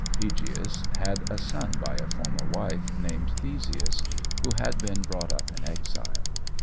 Ægeus had a son by a former wife, named Theseus, who had been brought up in exile.